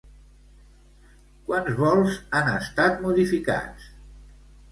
Quants vols han estat modificats?